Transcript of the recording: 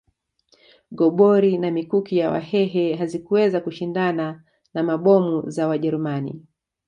Gobori na mikuki ya Wahehe hazikuweza kushindana na mabomu za Wajerumani